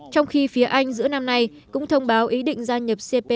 trong khi phía anh giữa năm nay cũng thông báo ý định gia nhập cptpp sẽ giúp nước này